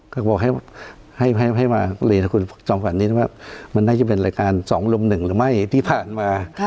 ก็บอกให้มาเลือกคุณจมกันนิดว่ามันน่าจะเป็นรายการสองรุ่มหนึ่งหรือไม่ที่ผ่านมา